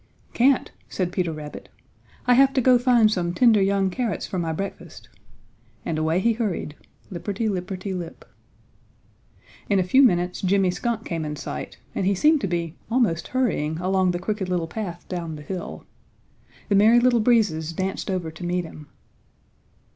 "Can't," said Peter Rabbit. "I have to go find some tender young carrots for my breakfast," and away be hurried, lipperty lipperty lip. In a few minutes Jimmy Skunk came in sight and he seemed to be almost hurrying along the Crooked Little Path down the hill. The Merry Little Breezes danced over to meet him.